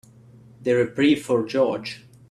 The reprieve for George.